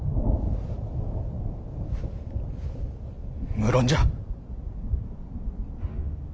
無論じゃ。